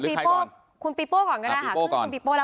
คุณปีโป้ก่อนก็ได้ค่ะ